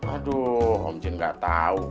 aduh om jin gak tau